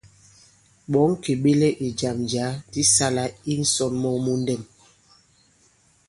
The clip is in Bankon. Ɓɔ̌ŋ kì ɓeklɛ ì jàm jǎ di sālā i ǹsɔ̀n mɔŋ mu ndɛ̄m.